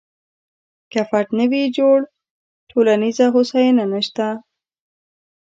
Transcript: که فرد نه وي جوړ، ټولنیزه هوساینه نشته.